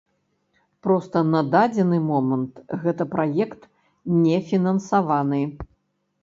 Проста на дадзены момант гэта праект не фінансавы.